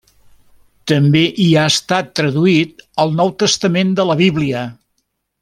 També hi ha estat traduït el Nou Testament de la Bíblia.